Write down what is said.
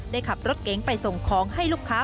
ขับรถเก๋งไปส่งของให้ลูกค้า